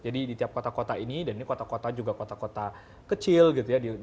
jadi di tiap kota kota ini dan ini kota kota juga kota kota kecil gitu ya